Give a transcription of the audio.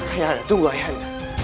ayah anda tunggu ayah anda